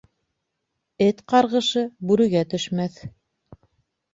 Эт ҡарғышы бүрегә төшмәҫ.